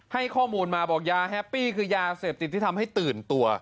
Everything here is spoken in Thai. ให้ข้อมูลมาบอกยาแฮปปี้คือยาเสพติดที่ทำให้ตื่นตัว